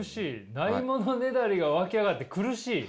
無いものねだりがわき上がって苦しい。